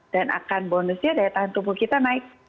dan akan bonusnya daya tahan tubuh kita naik